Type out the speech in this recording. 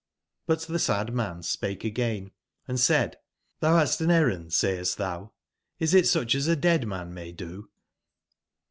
But tbe sad man spake again and said: ''IThou bast an errand sayest thou ? is it such as a dead man may do?"